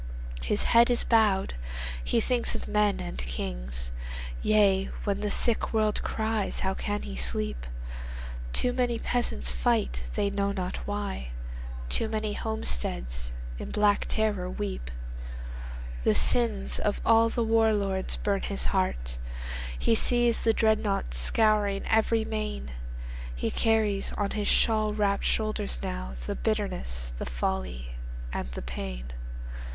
His head is bowed. He thinks of men and kings. Yea, when the sick world cries, how can he sleep? Too many peasants fight, they know not why; Too many homesteads in black terror weep. The sins of all the war lords burn his heart. He sees the dreadnaughts scouring every main. He carries on his shawl wrapped shoulders nowThe bitterness, the folly and the pain.